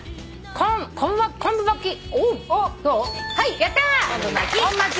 やったー！